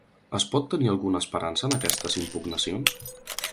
Es pot tenir alguna esperança en aquestes impugnacions?